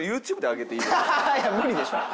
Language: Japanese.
いや無理でしょ。